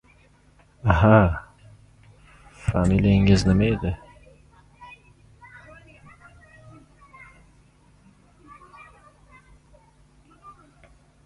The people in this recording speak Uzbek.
— Aha, familiyangiz nima edi, uka?